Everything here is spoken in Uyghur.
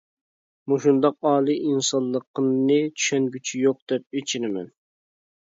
مۇشۇنداق ئالىي ئىنسانلىقىمنى چۈشەنگۈچى يوق دەپ ئېچىنىمەن.